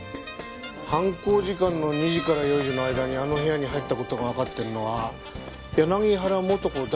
犯行時間の２時から４時の間にあの部屋に入った事がわかってるのは柳原元子だけだよな？